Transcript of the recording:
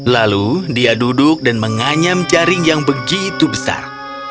lalu dia duduk dan menganyam jaring yang begitu besar